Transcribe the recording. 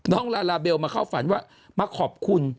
ลาลาเบลมาเข้าฝันว่ามาขอบคุณ